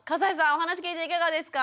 お話聞いていかがですか？